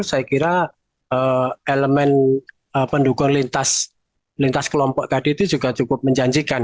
saya kira elemen pendukung lintas kelompok tadi itu juga cukup menjanjikan